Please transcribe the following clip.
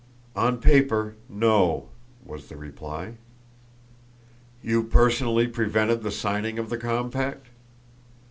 "On paper, no," was the reply. "You personally prevented the signing of the compact?"